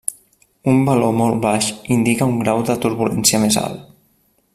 Un valor molt baix indica un grau de turbulència més alt.